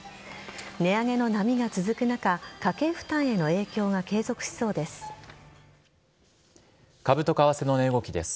値上げの波が続く中家計負担への影響が株と為替の値動きです。